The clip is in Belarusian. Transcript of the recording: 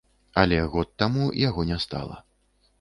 Але год таму яго не стала.